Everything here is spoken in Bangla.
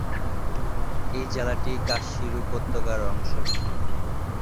এই জেলাটি কাশ্মীর উপত্যকার অংশ।